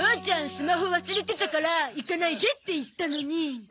スマホ忘れてたから行かないでって言ったのに。